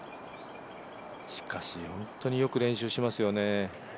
しかし本当によく練習しますよね。